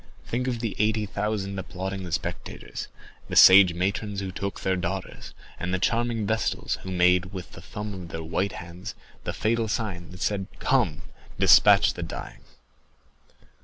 Think of the eighty thousand applauding spectators, the sage matrons who took their daughters, and the charming Vestals who made with the thumb of their white hands the fatal sign that said, 'Come, despatch the dying.